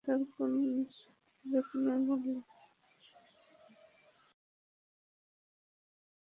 তবে দেশের প্রেক্ষাগৃহে ভালো কোনো ছবি এলে সেটা দেখেন যেকোনো মূল্যেই।